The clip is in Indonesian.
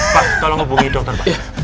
pak tolong hubungi dokter